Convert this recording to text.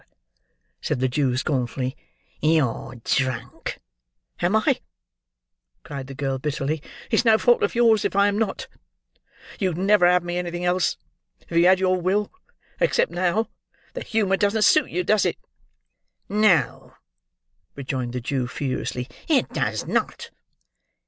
"Pooh!" said the Jew, scornfully. "You're drunk." "Am I?" cried the girl bitterly. "It's no fault of yours, if I am not! You'd never have me anything else, if you had your will, except now;—the humour doesn't suit you, doesn't it?" "No!" rejoined the Jew, furiously. "It does not."